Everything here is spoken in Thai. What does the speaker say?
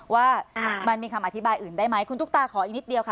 ว่ามันมีคำอธิบายอื่นได้ไหมคุณตุ๊กตาขออีกนิดเดียวค่ะ